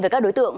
về các đối tượng